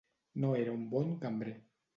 No era un bon cambrer.